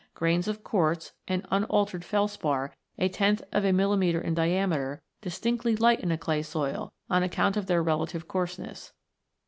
Grains of quartz and unaltered felspar a tenth of a millimetre in diameter distinctly " lighten " a clay soil, on account of their relative coarseness.